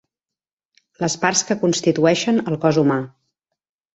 Les parts que constitueixen el cos humà.